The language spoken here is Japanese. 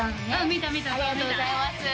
見た見たありがとうございます